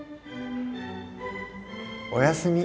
おやすみ。